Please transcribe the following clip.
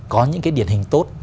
có những cái điển hình tốt